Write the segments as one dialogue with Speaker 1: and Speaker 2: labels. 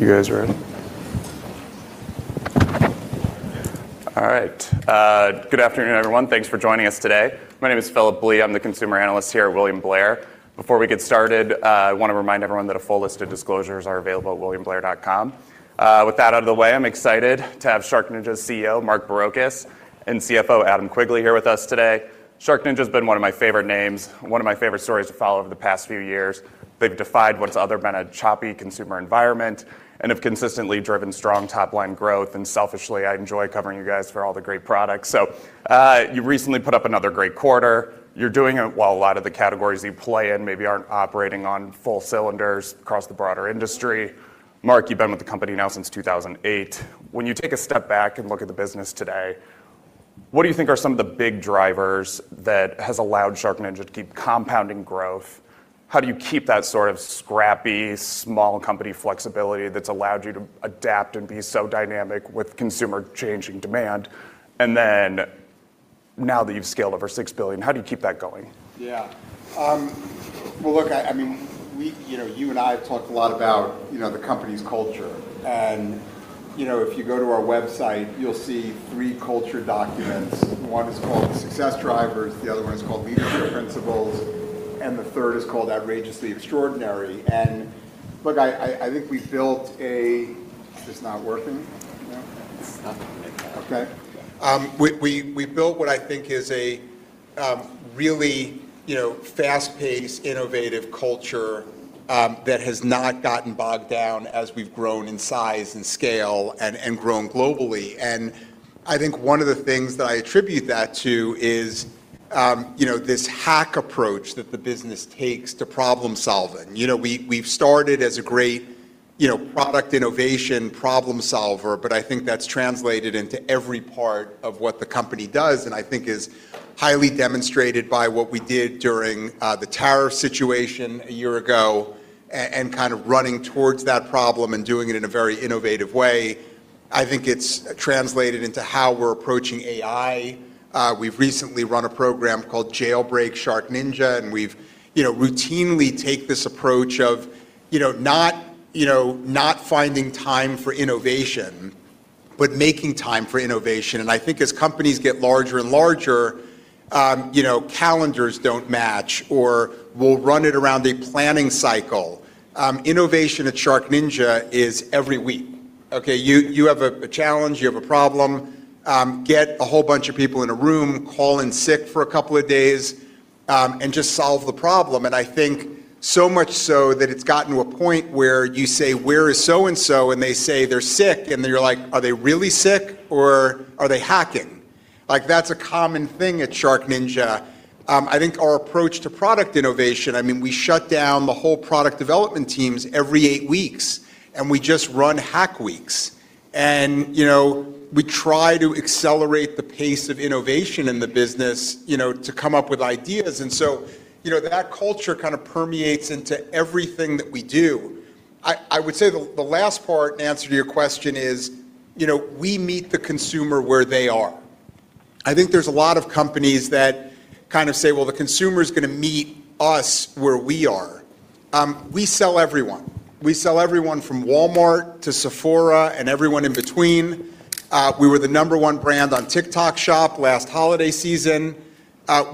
Speaker 1: All right. You guys are ready? All right. Good afternoon, everyone. Thanks for joining us today. My name is Phillip Blee. I'm the consumer analyst here at William Blair. Before we get started, I want to remind everyone that a full list of disclosures are available at williamblair.com. With that out of the way, I'm excited to have SharkNinja's CEO, Mark Barrocas, and CFO, Adam Quigley, here with us today. SharkNinja's been one of my favorite names, one of my favorite stories to follow over the past few years. They've defied what's otherwise been a choppy consumer environment and have consistently driven strong top-line growth. Selfishly, I enjoy covering you guys for all the great products. You recently put up another great quarter. You're doing it while a lot of the categories you play in maybe aren't operating on full cylinders across the broader industry. Mark, you've been with the company now since 2008. When you take a step back and look at the business today, what do you think are some of the big drivers that has allowed SharkNinja to keep compounding growth? How do you keep that sort of scrappy, small company flexibility that's allowed you to adapt and be so dynamic with consumer-changing demand? Now that you've scaled over $6 billion, how do you keep that going?
Speaker 2: Yeah. Well, look, you and I have talked a lot about the company's culture and if you go to our website, you'll see three culture documents. One is called Success Drivers, the other one is called Leadership Principles, and the third is called Outrageously Extraordinary. Look, It's not working?
Speaker 1: No, it's not.
Speaker 2: Okay. We built what I think is a really fast-paced, innovative culture that has not gotten bogged down as we've grown in size and scale and grown globally. I think one of the things that I attribute that to is this hack approach that the business takes to problem-solving. We've started as a great product innovation problem solver, but I think that's translated into every part of what the company does and I think is highly demonstrated by what we did during the tariff situation a year ago and kind of running towards that problem and doing it in a very innovative way. I think it's translated into how we're approaching AI. We've recently run a program called Jailbreak SharkNinja, and we've routinely take this approach of not finding time for innovation, but making time for innovation. I think as companies get larger and larger, calendars don't match or we'll run it around a planning cycle. Innovation at SharkNinja is every week. You have a challenge, you have a problem, get a whole bunch of people in a room, call in sick for a couple of days, and just solve the problem. I think so much so that it's gotten to a point where you say, "Where is so-and-so?" They say, "They're sick." You're like, "Are they really sick or are they hacking?" That's a common thing at SharkNinja. I think our approach to product innovation, we shut down the whole product development teams every eight weeks, and we just run hack weeks. We try to accelerate the pace of innovation in the business to come up with ideas. That culture kind of permeates into everything that we do. I would say the last part, in answer to your question is, we meet the consumer where they are. I think there's a lot of companies that kind of say, "Well, the consumer's going to meet us where we are." We sell everyone. We sell everyone from Walmart to Sephora and everyone in between. We were the number one brand on TikTok Shop last holiday season.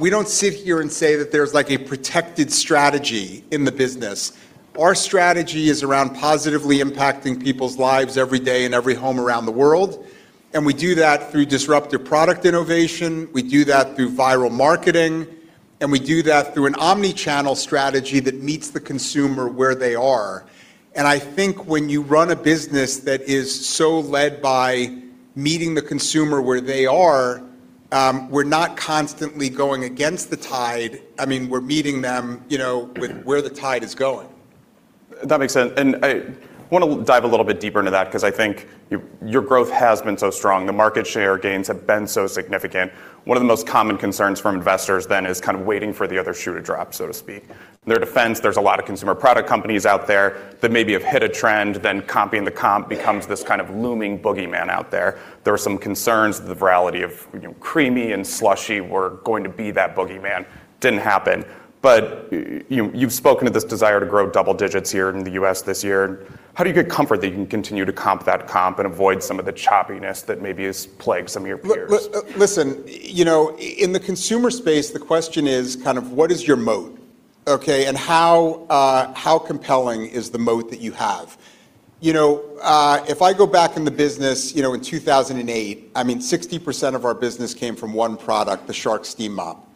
Speaker 2: We don't sit here and say that there's a protected strategy in the business. Our strategy is around positively impacting people's lives every day in every home around the world, and we do that through disruptive product innovation, and we do that through viral marketing, and we do that through an omni-channel strategy that meets the consumer where they are. I think when you run a business that is so led by meeting the consumer where they are, we're not constantly going against the tide. We're meeting them with where the tide is going.
Speaker 1: That makes sense. I want to dive a little bit deeper into that because I think your growth has been so strong. The market share gains have been so significant. One of the most common concerns from investors then is kind of waiting for the other shoe to drop, so to speak. In their defense, there's a lot of consumer product companies out there that maybe have hit a trend, then comping the comp becomes this kind of looming boogeyman out there. There were some concerns that the virality of CREAMi and SLUSHi were going to be that boogeyman. Didn't happen. You've spoken to this desire to grow double digits here in the U.S. this year. How do you get comfort that you can continue to comp that comp and avoid some of the choppiness that maybe has plagued some of your peers?
Speaker 2: Listen, in the consumer space, the question is what is your moat? Okay. How compelling is the moat that you have? If I go back in the business in 2008, 60% of our business came from one product, the Shark Steam Mop.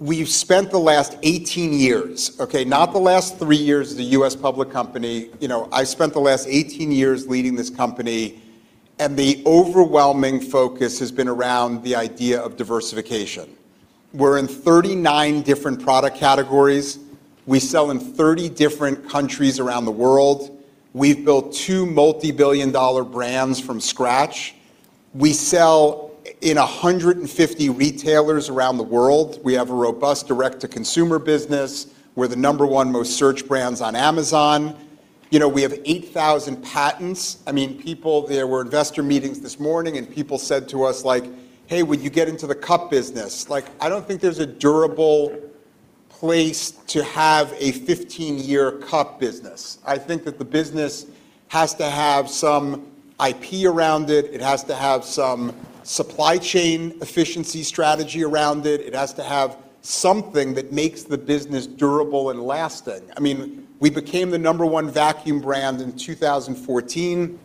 Speaker 2: We've spent the last 18 years, okay, not the last three years as a U.S. public company. I spent the last 18 years leading this company, and the overwhelming focus has been around the idea of diversification. We're in 39 different product categories. We sell in 30 different countries around the world. We've built two multi-billion dollar brands from scratch. We sell in 150 retailers around the world. We have a robust direct-to-consumer business. We're the number one most searched brands on Amazon. We have 8,000 patents. There were investor meetings this morning, and people said to us, "Hey, will you get into the cup business?" I don't think there's a durable place to have a 15-year cup business. I think that the business has to have some IP around it. It has to have some supply chain efficiency strategy around it. It has to have something that makes the business durable and lasting. We became the number one vacuum brand in 2014.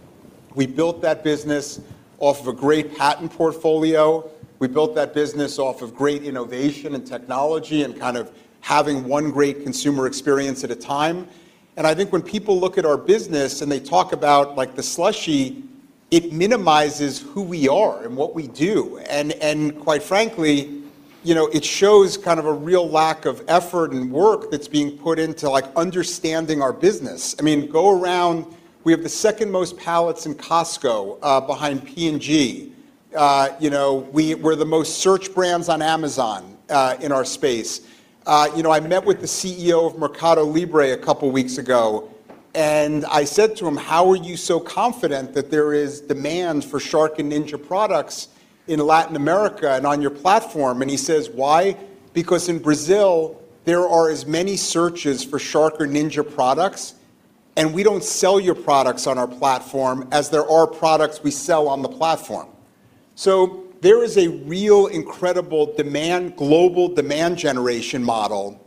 Speaker 2: We built that business off of a great patent portfolio. We built that business off of great innovation and technology and kind of having one great consumer experience at a time. I think when people look at our business and they talk about the Ninja SLUSHi, it minimizes who we are and what we do. Quite frankly, it shows a real lack of effort and work that's being put into understanding our business. Go around, we have the second most pallets in Costco, behind P&G. We're the most searched brands on Amazon, in our space. I met with the CEO of Mercado Libre a couple of weeks ago. I said to him, "How are you so confident that there is demand for Shark and Ninja products in Latin America and on your platform?" He says, "Why? Because in Brazil, there are as many searches for Shark or Ninja products, and we don't sell your products on our platform as there are products we sell on the platform." There is a real incredible global demand generation model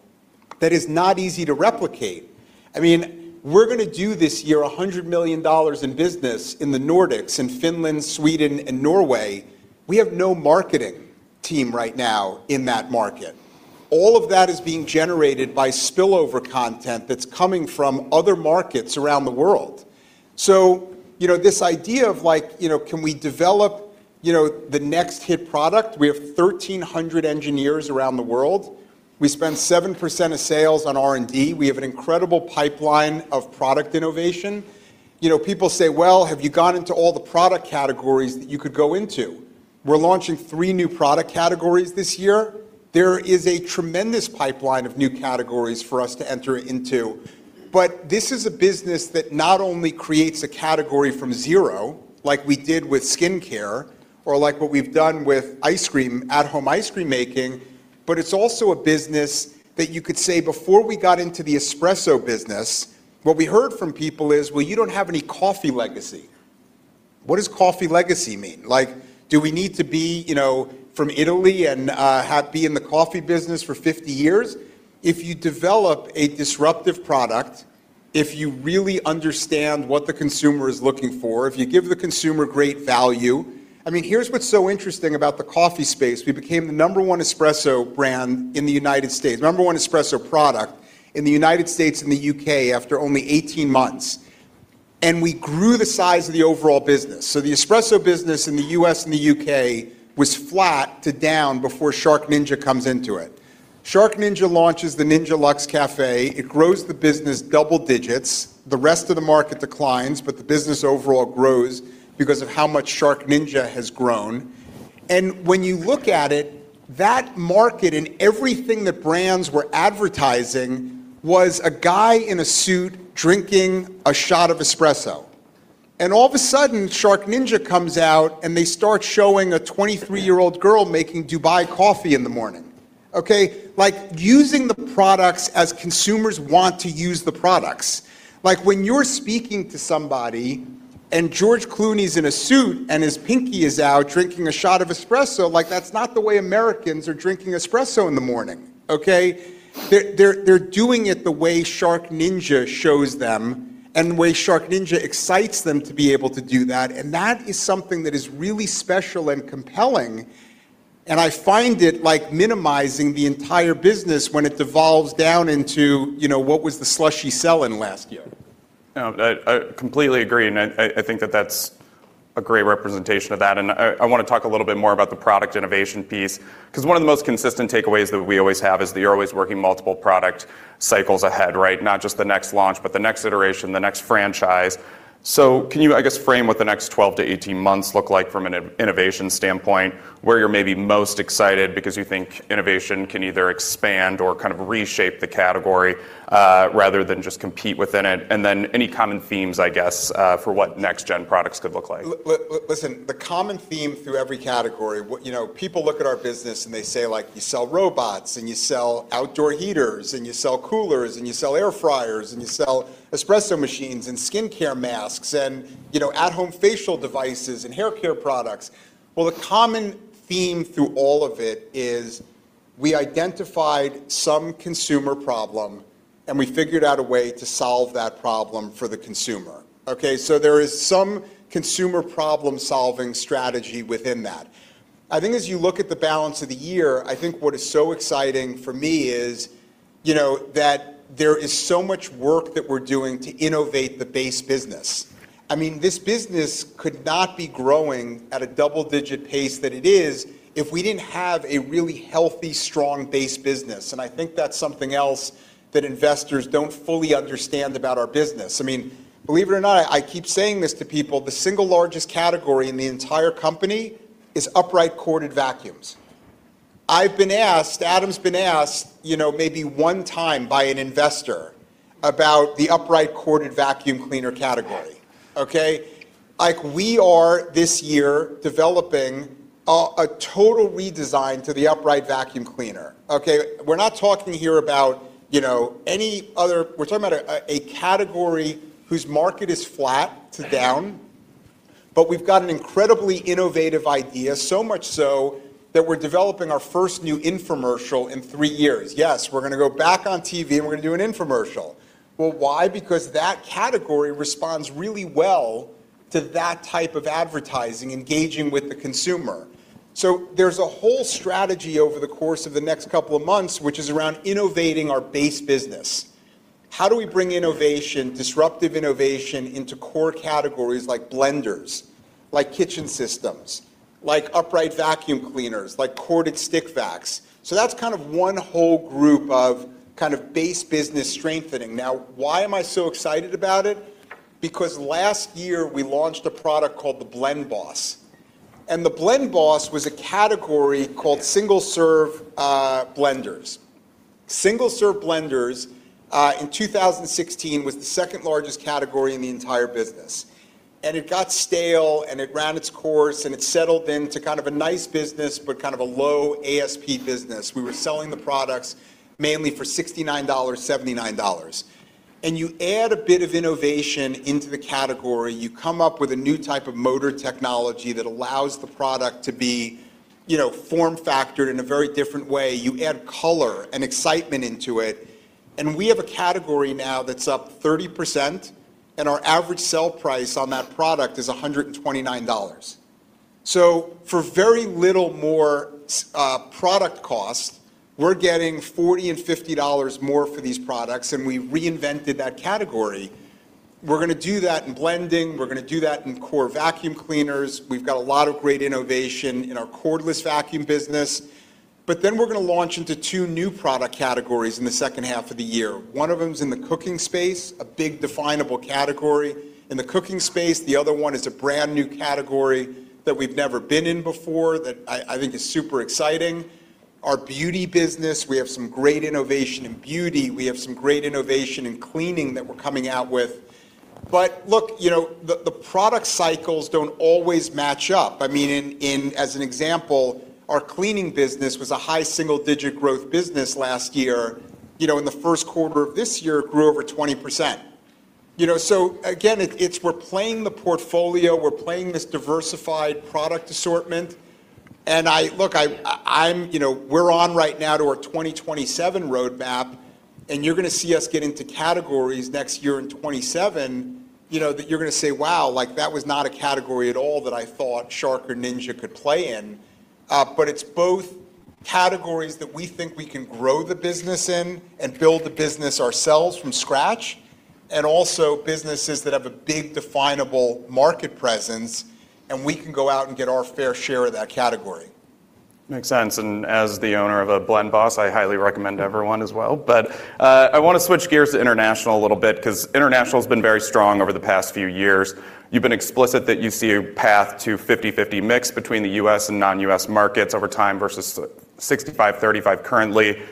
Speaker 2: that is not easy to replicate. We're going to do this year, $100 million in business in the Nordics, in Finland, Sweden and Norway. We have no marketing team right now in that market. All of that is being generated by spill-over content that's coming from other markets around the world. This idea of can we develop the next hit product? We have 1,300 engineers around the world. We spend 7% of sales on R&D. We have an incredible pipeline of product innovation. People say, "Well, have you gone into all the product categories that you could go into?" We're launching three new product categories this year. There is a tremendous pipeline of new categories for us to enter into, but this is a business that not only creates a category from zero, like we did with skin care, or like what we've done with at-home ice cream making, but it's also a business that you could say before we got into the espresso business, what we heard from people is, "Well, you don't have any coffee legacy." What does coffee legacy mean? Do we need to be from Italy and have been in the coffee business for 50 years? If you develop a disruptive product, if you really understand what the consumer is looking for, if you give the consumer great value. Here's what's so interesting about the coffee space. We became the number 1 espresso brand in the U.S., number one espresso product in the U.S. and the U.K. after only 18 months. We grew the size of the overall business. The espresso business in the U.S. and the U.K. was flat to down before SharkNinja comes into it. SharkNinja launches the Ninja Luxe Café. It grows the business double digits. The rest of the market declines, but the business overall grows because of how much SharkNinja has grown. When you look at it, that market and everything that brands were advertising was a guy in a suit drinking a shot of espresso. All of a sudden, SharkNinja comes out, and they start showing a 23-year-old girl making Dubai coffee in the morning. Okay. Using the products as consumers want to use the products. When you're speaking to somebody and George Clooney's in a suit and his pinky is out drinking a shot of espresso, that's not the way Americans are drinking espresso in the morning. Okay. They're doing it the way SharkNinja shows them and the way SharkNinja excites them to be able to do that, and that is something that is really special and compelling, and I find it minimizing the entire business when it devolves down into, what was the Ninja SLUSHi selling last year?
Speaker 1: No, I completely agree. I think that that's a great representation of that. I want to talk a little bit more about the product innovation piece because one of the most consistent takeaways that we always have is that you're always working multiple product cycles ahead, right? Not just the next launch, but the next iteration, the next franchise. Can you, I guess, frame what the next 12-18 months look like from an innovation standpoint, where you're maybe most excited because you think innovation can either expand or kind of reshape the category, rather than just compete within it? Any common themes, I guess, for what next-gen products could look like?
Speaker 2: Listen, the common theme through every category, people look at our business and they say, "You sell robots, and you sell outdoor heaters, and you sell coolers, and you sell air fryers, and you sell espresso machines and skincare masks and at-home facial devices and hair care products." Well, the common theme through all of it is we identified some consumer problem, and we figured out a way to solve that problem for the consumer. Okay, there is some consumer problem-solving strategy within that. I think as you look at the balance of the year, I think what is so exciting for me is that there is so much work that we're doing to innovate the base business. This business could not be growing at a double-digit pace that it is if we didn't have a really healthy, strong base business. I think that's something else that investors don't fully understand about our business. Believe it or not, I keep saying this to people, the single largest category in the entire company is upright corded vacuums. I've been asked, Adam's been asked, maybe one time by an investor about the upright corded vacuum cleaner category. Okay? We are, this year, developing a total redesign to the upright vacuum cleaner. Okay? We're talking about a category whose market is flat to down, but we've got an incredibly innovative idea. So much so that we're developing our first new infomercial in three years. Yes, we're going to go back on TV, and we're going to do an infomercial. Well, why? Because that category responds really well to that type of advertising, engaging with the consumer. There's a whole strategy over the course of the next couple of months, which is around innovating our base business. How do we bring disruptive innovation into core categories like blenders, like kitchen systems, like upright vacuum cleaners, like corded stick vacs? That's one whole group of base business strengthening. Why am I so excited about it? Because last year, we launched a product called the BlendBoss, and the BlendBoss was a category called single-serve blenders. Single-serve blenders, in 2016, was the second-largest category in the entire business, and it got stale, and it ran its course, and it settled into a nice business, but a low ASP business. We were selling the products mainly for $69, $79. You add a bit of innovation into the category, you come up with a new type of motor technology that allows the product to be form-factored in a very different way. You add color and excitement into it, and we have a category now that's up 30%, and our average sale price on that product is $129. For very little more product cost, we're getting $40 and $50 more for these products, and we reinvented that category. We're going to do that in blending. We're going to do that in core vacuum cleaners. We've got a lot of great innovation in our cordless vacuum business. We're going to launch into two new product categories in the second half of the year. One of them is in the cooking space, a big definable category in the cooking space. The other one is a brand-new category that we've never been in before that I think is super exciting. Our beauty business, we have some great innovation in beauty. We have some great innovation in cleaning that we're coming out with. Look, the product cycles don't always match up. As an example, our cleaning business was a high single-digit growth business last year. In the first quarter of this year, it grew over 20%. Again, we're playing the portfolio, we're playing this diversified product assortment. Look, we're on right now to our 2027 roadmap. You're going to see us get into categories next year in 2027 that you're going to say, "Wow, that was not a category at all that I thought Shark or Ninja could play in." It's both categories that we think we can grow the business in and build the business ourselves from scratch, and also businesses that have a big definable market presence, and we can go out and get our fair share of that category.
Speaker 1: Makes sense. As the owner of a BlendBoss, I highly recommend everyone as well. I want to switch gears to international a little bit because international's been very strong over the past few years. You've been explicit that you see a path to 50/50 mix between the U.S. and non-U.S. markets over time versus 65/35 currently.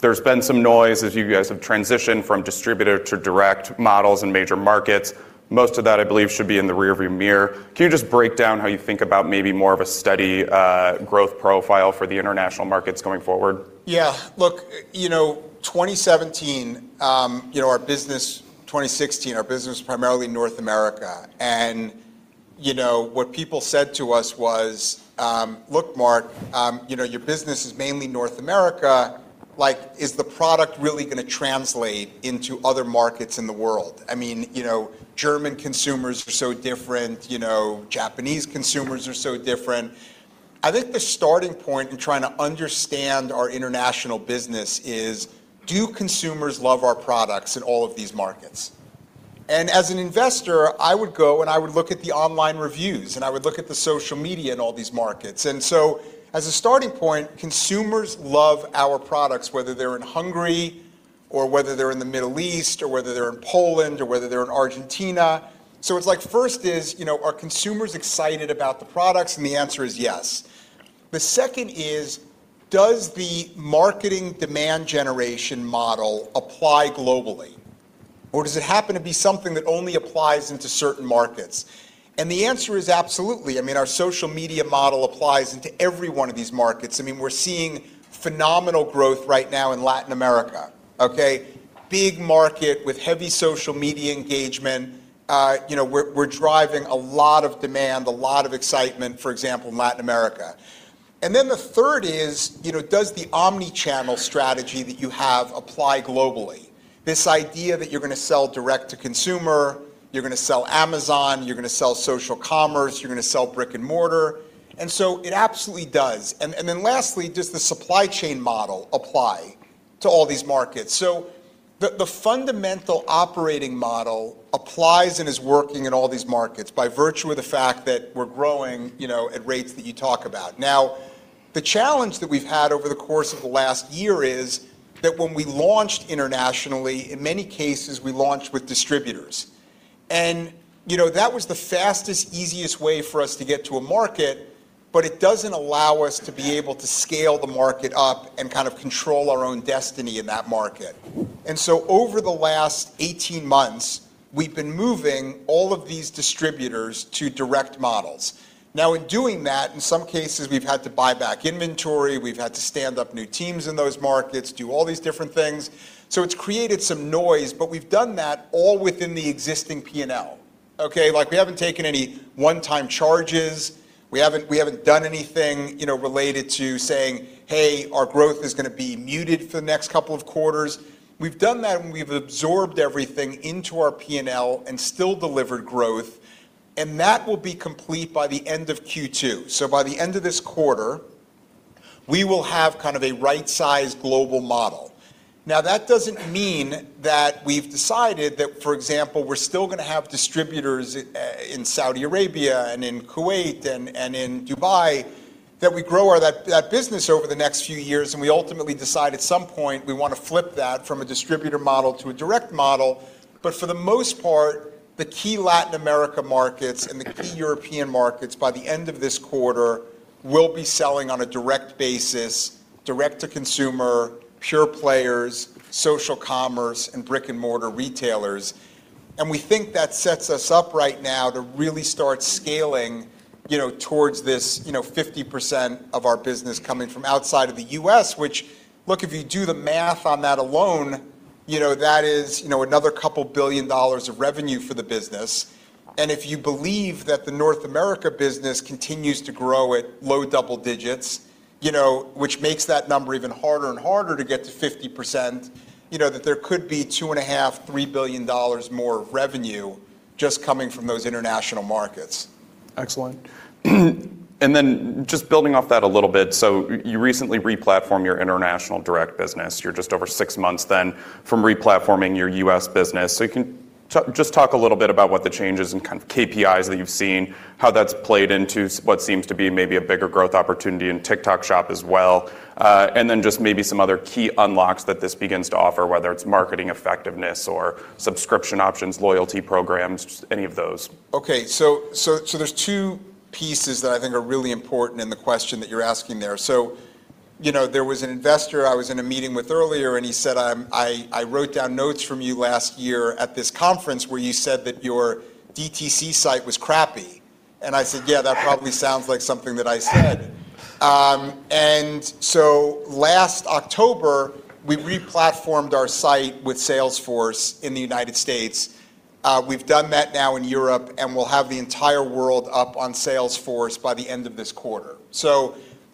Speaker 1: There's been some noise as you guys have transitioned from distributor to direct models in major markets. Most of that, I believe, should be in the rear-view mirror. Can you just break down how you think about maybe more of a steady growth profile for the international markets going forward?
Speaker 2: Yeah. Look, 2016, our business was primarily North America, and what people said to us was, "Look, Mark, your business is mainly North America. Is the product really going to translate into other markets in the world?" German consumers are so different. Japanese consumers are so different. I think the starting point in trying to understand our international business is, do consumers love our products in all of these markets? As an investor, I would go, and I would look at the online reviews, and I would look at the social media in all these markets. As a starting point, consumers love our products, whether they're in Hungary or whether they're in the Middle East or whether they're in Poland or whether they're in Argentina. It's like, first is, are consumers excited about the products? The answer is yes. The second is, does the marketing demand generation model apply globally, or does it happen to be something that only applies into certain markets? The answer is absolutely. Our social media model applies into every one of these markets. We're seeing phenomenal growth right now in Latin America. Okay? Big market with heavy social media engagement. We're driving a lot of demand, a lot of excitement, for example, in Latin America. The third is, does the omni-channel strategy that you have apply globally? This idea that you're going to sell direct to consumer, you're going to sell Amazon, you're going to sell social commerce, you're going to sell brick and mortar, and so it absolutely does. Lastly, does the supply chain model apply to all these markets? The fundamental operating model applies and is working in all these markets by virtue of the fact that we're growing at rates that you talk about. The challenge that we've had over the course of the last year is that when we launched internationally, in many cases, we launched with distributors. That was the fastest, easiest way for us to get to a market, but it doesn't allow us to be able to scale the market up and kind of control our own destiny in that market. Over the last 18 months, we've been moving all of these distributors to direct models. In doing that, in some cases, we've had to buy back inventory, we've had to stand up new teams in those markets, do all these different things. It's created some noise, but we've done that all within the existing P&L. Okay. We haven't taken any one-time charges. We haven't done anything related to saying, "Hey, our growth is going to be muted for the next couple of quarters." We've done that and we've absorbed everything into our P&L and still delivered growth, and that will be complete by the end of Q2. By the end of this quarter, we will have kind of a right-sized global model. Now, that doesn't mean that we've decided that, for example, we're still going to have distributors in Saudi Arabia and in Kuwait and in Dubai, that we grow that business over the next few years and we ultimately decide at some point we want to flip that from a distributor model to a direct model. For the most part, the key Latin America markets and the key European markets, by the end of this quarter, will be selling on a direct basis, direct-to-consumer, pure players, social commerce, and brick-and-mortar retailers. We think that sets us up right now to really start scaling towards this 50% of our business coming from outside of the U.S., which, look, if you do the math on that alone, that is another couple billion dollars of revenue for the business. If you believe that the North America business continues to grow at low double digits, which makes that number even harder and harder to get to 50%, that there could be $2.5 billion, $3 billion more of revenue just coming from those international markets.
Speaker 1: Excellent. Just building off that a little bit, you recently re-platformed your international direct business. You're just over six months then from re-platforming your U.S. business. Can you just talk a little bit about what the changes and kind of KPIs that you've seen, how that's played into what seems to be maybe a bigger growth opportunity in TikTok Shop as well, and then just maybe some other key unlocks that this begins to offer, whether it's marketing effectiveness or subscription options, loyalty programs, any of those?
Speaker 2: There's two pieces that I think are really important in the question that you're asking there. There was an investor I was in a meeting with earlier, and he said, "I wrote down notes from you last year at this conference where you said that your DTC site was crappy." I said, "Yeah, that probably sounds like something that I said." Last October, we re-platformed our site with Salesforce in the United States. We've done that now in Europe, and we'll have the entire world up on Salesforce by the end of this quarter.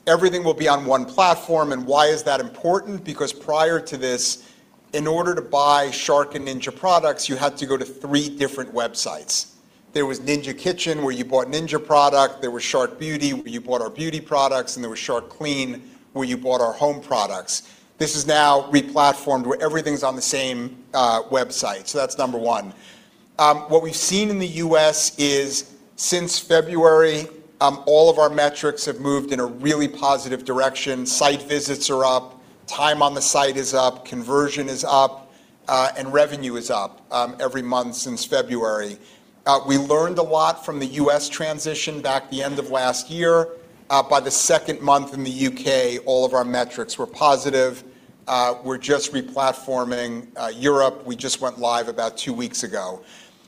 Speaker 2: Everything will be on one platform. Why is that important? Because prior to this, in order to buy Shark and Ninja products, you had to go to three different websites. There was Ninja Kitchen, where you bought Ninja product, there was Shark Beauty, where you bought our beauty products, and there was Shark Clean, where you bought our home products. This is now re-platformed, where everything's on the same website. That's number one. What we've seen in the U.S. is since February, all of our metrics have moved in a really positive direction. Site visits are up, time on the site is up, conversion is up, and revenue is up every month since February. We learned a lot from the U.S. transition back at the end of last year. By the second month in the U.K., all of our metrics were positive. We're just re-platforming Europe. We just went live about two weeks ago.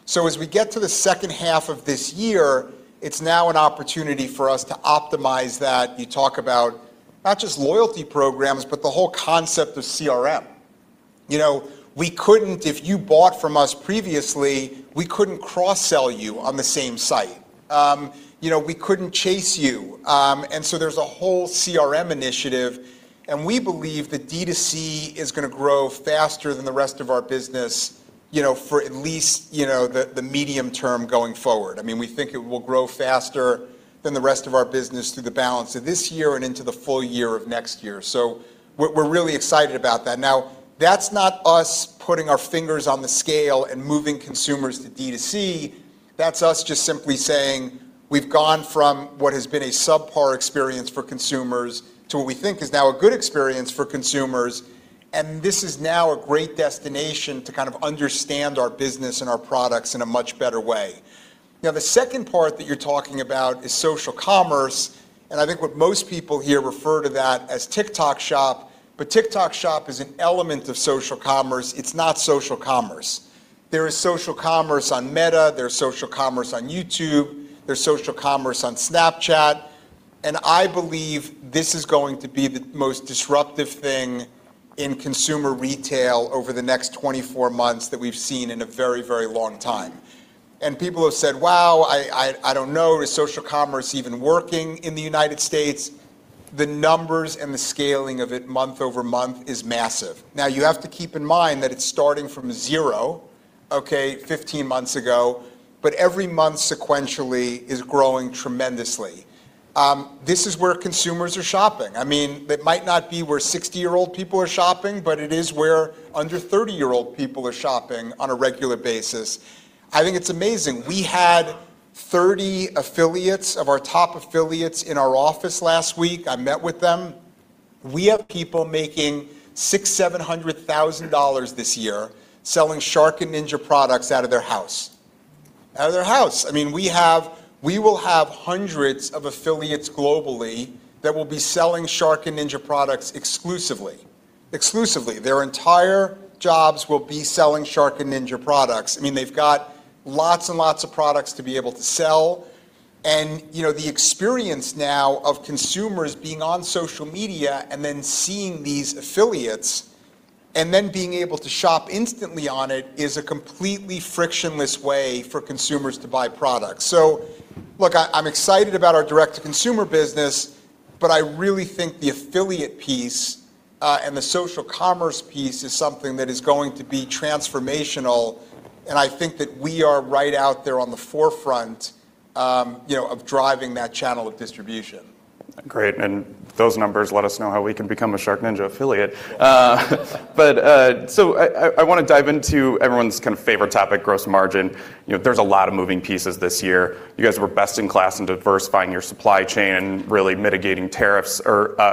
Speaker 2: As we get to the second half of this year, it's now an opportunity for us to optimize that. You talk about not just loyalty programs, but the whole concept of CRM. If you bought from us previously, we couldn't cross-sell you on the same site. We couldn't chase you. There's a whole CRM initiative, and we believe that D2C is going to grow faster than the rest of our business for at least the medium term going forward. We think it will grow faster than the rest of our business through the balance of this year and into the full year of next year. We're really excited about that. Now, that's not us putting our fingers on the scale and moving consumers to D2C. That's us just simply saying we've gone from what has been a subpar experience for consumers to what we think is now a good experience for consumers, and this is now a great destination to kind of understand our business and our products in a much better way. Now, the second part that you're talking about is social commerce, and I think what most people here refer to that as TikTok Shop, but TikTok Shop is an element of social commerce. It's not social commerce. There is social commerce on Meta, there's social commerce on YouTube, there's social commerce on Snapchat, and I believe this is going to be the most disruptive thing in consumer retail over the next 24 months that we've seen in a very long time. People have said, "Wow, I don't know. Is social commerce even working in the U.S.?" The numbers and the scaling of it month-over-month is massive. Now, you have to keep in mind that it's starting from zero 15 months ago, but every month sequentially is growing tremendously. This is where consumers are shopping. It might not be where 60-year-old people are shopping, but it is where under 30-year-old people are shopping on a regular basis. I think it's amazing. We had 30 affiliates of our top affiliates in our office last week. I met with them. We have people making $600,000, $700,000 this year selling Shark and Ninja products out of their house. Out of their house. We will have hundreds of affiliates globally that will be selling Shark and Ninja products exclusively. Their entire jobs will be selling Shark and Ninja products. They've got lots and lots of products to be able to sell. The experience now of consumers being on social media and then seeing these affiliates, and then being able to shop instantly on it is a completely frictionless way for consumers to buy products. Look, I'm excited about our direct-to-consumer business, but I really think the affiliate piece, and the social commerce piece is something that is going to be transformational. I think that we are right out there on the forefront of driving that channel of distribution.
Speaker 1: Great. Those numbers let us know how we can become a SharkNinja affiliate. I want to dive into everyone's kind of favorite topic, gross margin. There's a lot of moving pieces this year. You guys were best in class in diversifying your supply chain and really mitigating tariffs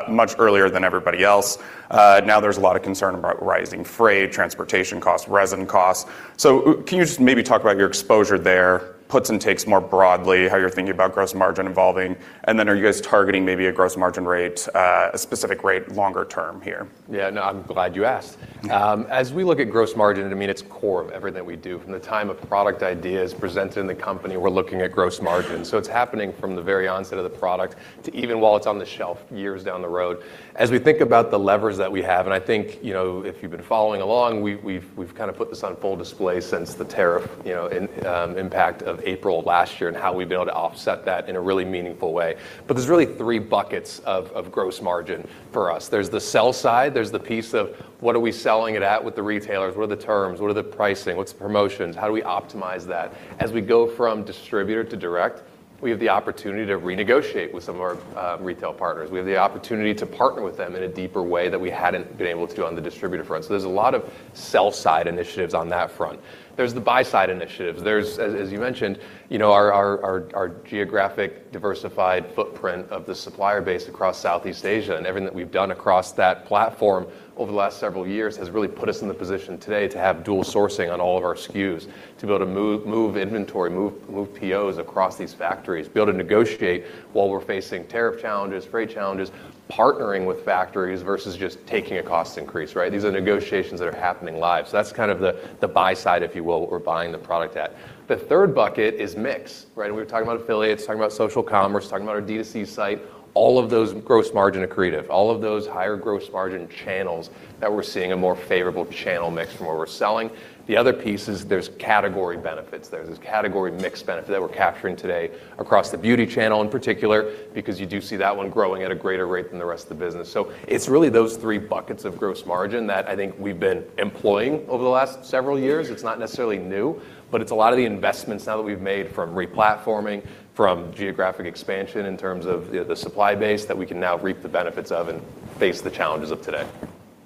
Speaker 1: much earlier than everybody else. There's a lot of concern about rising freight, transportation costs, resin costs. Can you just maybe talk about your exposure there, puts and takes more broadly, how you're thinking about gross margin evolving? Are you guys targeting maybe a gross margin rate, a specific rate longer term here?
Speaker 3: Yeah, no, I'm glad you asked. As we look at gross margin, it's core of everything we do. From the time a product idea is presented in the company, we're looking at gross margin. It's happening from the very onset of the product to even while it's on the shelf, years down the road. As we think about the levers that we have, and I think, if you've been following along, we've kind of put this on full display since the tariff impact of April of last year and how we've been able to offset that in a really meaningful way. There's really three buckets of gross margin for us. There's the sell side, there's the piece of what are we selling it at with the retailers, what are the terms, what are the pricing, what's the promotions, how do we optimize that? We go from distributor to direct, we have the opportunity to renegotiate with some of our retail partners. We have the opportunity to partner with them in a deeper way that we hadn't been able to do on the distributor front. There's a lot of sell-side initiatives on that front. There's the buy-side initiatives. There's, as you mentioned, our geographic diversified footprint of the supplier base across Southeast Asia and everything that we've done across that platform over the last several years has really put us in the position today to have dual sourcing on all of our SKUs, to be able to move inventory, move POs across these factories, be able to negotiate while we're facing tariff challenges, freight challenges, partnering with factories versus just taking a cost increase, right. These are negotiations that are happening live. That's kind of the buy side, if you will, what we're buying the product at. The third bucket is mix, right? We were talking about affiliates, talking about social commerce, talking about our D2C site. All of those gross margin accretive, all of those higher gross margin channels that we're seeing a more favorable channel mix from where we're selling. The other piece is there's category benefits. There's this category mix benefit that we're capturing today across the beauty channel in particular, because you do see that one growing at a greater rate than the rest of the business. It's really those three buckets of gross margin that I think we've been employing over the last several years. It's not necessarily new, but it's a lot of the investments now that we've made from re-platforming, from geographic expansion in terms of the supply base that we can now reap the benefits of and face the challenges of today.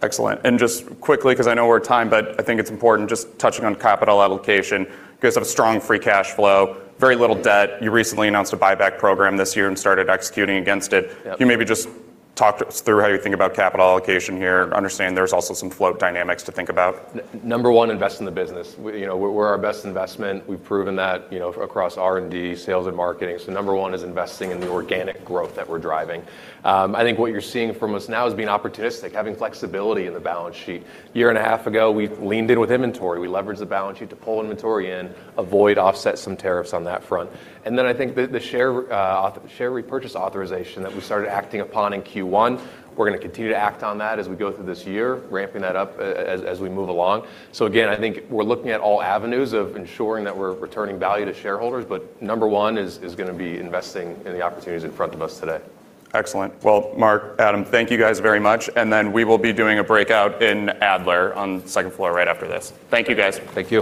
Speaker 1: Excellent. Just quickly, because I know we're at time, but I think it's important just touching on capital allocation because of strong free cash flow, very little debt. You recently announced a buyback program this year and started executing against it.
Speaker 3: Yep.
Speaker 1: Can you maybe just talk us through how you think about capital allocation here? Understand there's also some float dynamics to think about.
Speaker 3: Number one, invest in the business. We're our best investment. We've proven that, across R&D, sales, and marketing. Number one is investing in the organic growth that we're driving. I think what you're seeing from us now is being opportunistic, having flexibility in the balance sheet. A year and a half ago, we leaned in with inventory. We leveraged the balance sheet to pull inventory in, avoid, offset some tariffs on that front. I think the share repurchase authorization that we started acting upon in Q1, we're going to continue to act on that as we go through this year, ramping that up as we move along. Again, I think we're looking at all avenues of ensuring that we're returning value to shareholders, but number one is going to be investing in the opportunities in front of us today.
Speaker 1: Excellent. Well, Mark, Adam, thank you guys very much. We will be doing a breakout in Adler on the second floor right after this. Thank you, guys.
Speaker 3: Thank you.